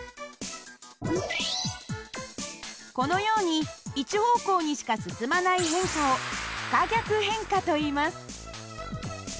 このように一方向にしか進まない変化を不可逆変化といいます。